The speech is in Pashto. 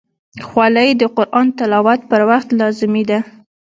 خولۍ د قرآن تلاوت پر وخت لازمي ده.